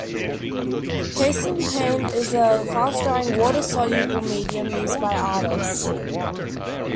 Casein paint is a fast-drying, water-soluble medium used by artists.